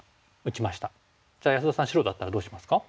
じゃあ安田さん白だったらどうしますか？